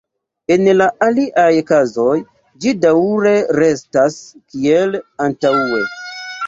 En la aliaj kazoj ĝi daŭre restas kiel antaŭe.